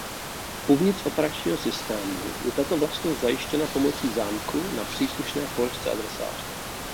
Uvnitř operačního systému je tato vlastnost zajištěna pomocí zámku na příslušné položce adresáře.